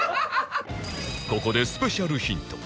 ここでスペシャルヒント